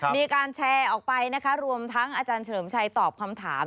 มีการแชร์ออกไปนะคะรวมทั้งอาจารย์เฉลิมชัยตอบคำถาม